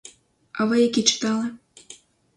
А ви які читали?